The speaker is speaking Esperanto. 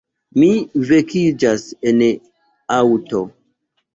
Mi vekiĝas en aŭto.